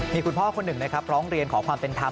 มีคุณพ่อคนหนึ่งนะครับร้องเรียนขอความเป็นธรรม